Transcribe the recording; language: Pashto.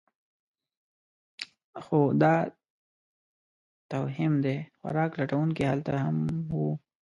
خو دا توهم دی؛ خوراک لټونکي هلته هم وو.